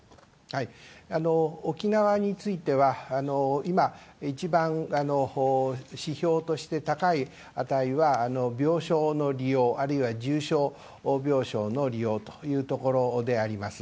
沖縄については、今、一番、指標として高い値は病床の利用、あるいは重症病床の利用というところであります。